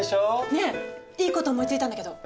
ねえいいこと思いついたんだけど。